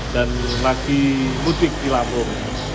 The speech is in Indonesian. dan lagi mudik di lampung